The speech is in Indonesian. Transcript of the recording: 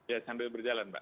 ya sambil berjalan mbak